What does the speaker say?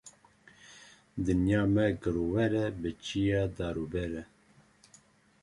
Dinya me girover e bi çiya, dar û ber e.